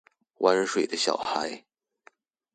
玩水的小孩